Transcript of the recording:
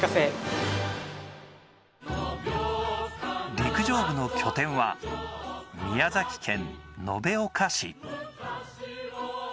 陸上部の拠点は宮崎県延岡市。